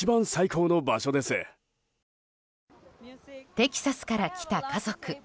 テキサスから来た家族。